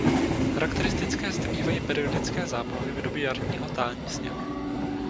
Charakteristické zde bývají periodické záplavy v době jarního tání sněhu.